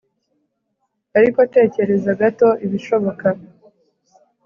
Ariko tekereza gato ibishobka.